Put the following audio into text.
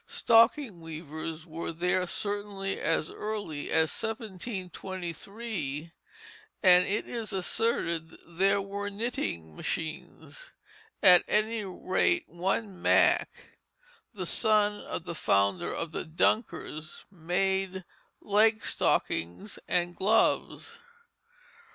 Stocking weavers were there certainly as early as 1723; and it is asserted there were knitting machines. At any rate, one Mack, the son of the founder of the Dunkers, made "leg stockings" and gloves.